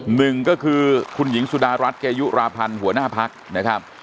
หนึ่งก็คือคุณหญิงสุดารัฐเกยุราพันธ์หัวหน้าพักนะครับ